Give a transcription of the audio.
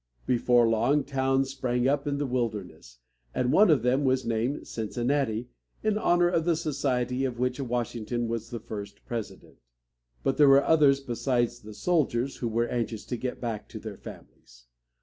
Before long, towns sprang up in the wilderness, and one of them was named Cincinnati, in honor of the society of which Washington was the first president. But there were others besides the soldiers who were anxious to get back to their families.